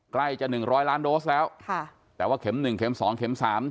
ใกล้จะ๑๐๐ล้านโดสแล้วแต่ว่าเข็ม๑เข็ม๒เข็ม๓